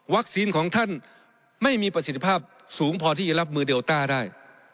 ของท่านไม่มีประสิทธิภาพสูงพอที่จะรับมือเดลต้าได้